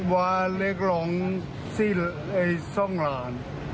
ขอเรียกร้องช่องหลาน